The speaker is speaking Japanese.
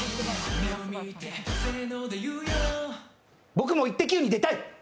僕も「イッテＱ！」に出たい。